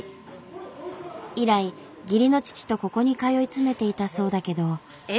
以来義理の父とここに通い詰めていたそうだけど。